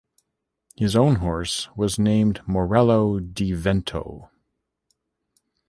His own horse was named Morello di Vento.